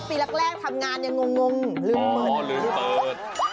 ปีแรกทำงานยังงงลืมเปิดลืมเปิด